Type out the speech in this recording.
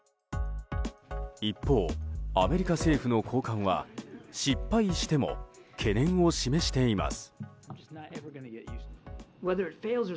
一方、アメリカ政府の高官は失敗しても懸念を示しています。